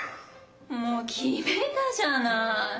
もう決めたじゃない。